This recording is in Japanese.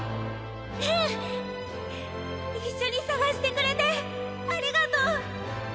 一緒に探してくれてありがとう！